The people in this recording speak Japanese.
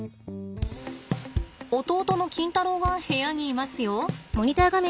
弟のキンタロウが部屋にいますよ。